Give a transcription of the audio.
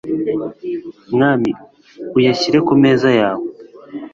mwami, uyashyire ku meza yawe (akira